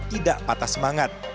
tidak patah semangat